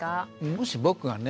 もし僕がね